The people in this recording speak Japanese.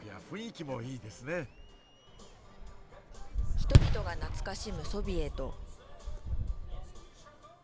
人々が懐かしむソビエト。